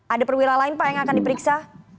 ada perwira lain pak yang akan diperiksa